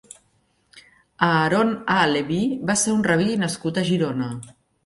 Aaron ha-Leví va ser un rabí nascut a Girona.